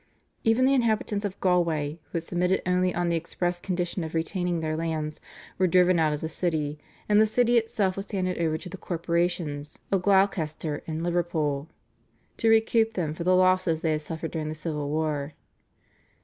Even the inhabitants of Galway, who had submitted only on the express condition of retaining their lands, were driven out of the city, and the city itself was handed over to the corporations of Gloucester and Liverpool to recoup them for the losses they had suffered during the Civil War.